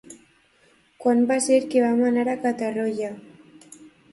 Quan va ser que vam anar a Catarroja?